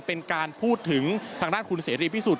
เป็นการพูดถึงทางด้านคุณเศรษฐีที่สุด